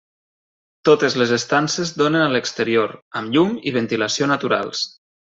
Totes les estances donen a l'exterior, amb llum i ventilació naturals.